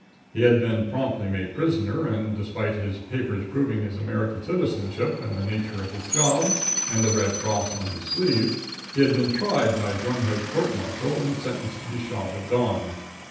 He had been promptly made a prisoner, and, despite his papers proving his American citizenship, and the nature of his job, and the red cross on his sleeve, he had been tried by drumhead court martial and sentenced to be shot at dawn.